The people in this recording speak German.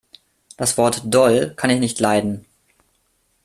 Das Wort “doll“ kann ich nicht leiden.